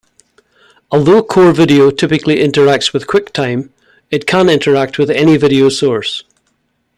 Although Core Video typically interacts with QuickTime, it can interact with any video source.